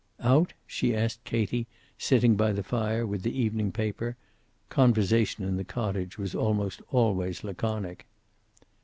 "Out?" she asked Katie, sitting by the fire with the evening paper. Conversation in the cottage was almost always laconic.